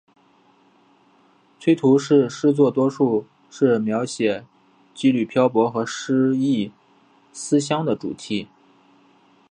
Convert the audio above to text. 崔涂是诗作多数是描写羁旅漂泊和失意思乡的主题。